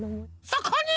そこに！